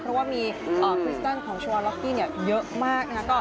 เพราะว่ามีพรีเซนต์ของชัวร์ล็อกกี้เยอะมาก